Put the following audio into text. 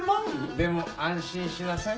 でも安心しなさい。